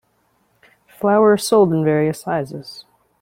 Flour is sold in various sizes.